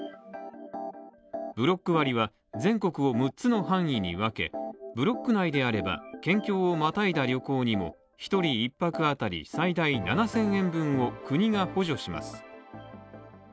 ブロック割は、全国を六つの範囲に分け、ブロック内であれば、県境をまたいだ旅行にも、１人１泊あたり最大７０００円分を国が補助します。